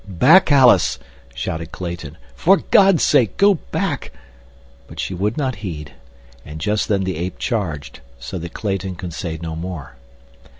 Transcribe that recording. "Back, Alice," shouted Clayton, "for God's sake, go back." But she would not heed, and just then the ape charged, so that Clayton could say no more.